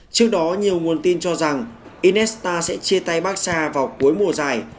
trước đó nhiều nguồn tin cho rằng inesta sẽ chia tay barcelona vào cuối mùa giải